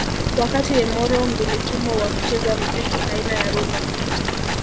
Wakati Emoro mbilikimo wa kucheza mziki aina ya rhumba